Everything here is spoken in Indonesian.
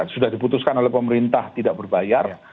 sudah diputuskan oleh pemerintah tidak berbayar